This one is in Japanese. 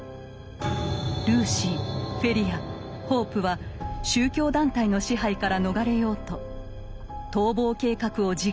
ルーシーフェリアホープは宗教団体の支配から逃れようと逃亡計画を実行したのです。